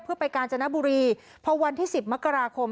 เพื่อไปกาญจนบุรีพอวันที่สิบมกราคม